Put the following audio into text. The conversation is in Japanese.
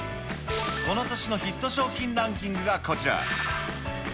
この年のヒット商品ランキングがこちら。